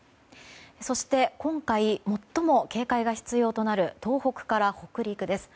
そして今回最も警戒が必要となる東北から北陸です。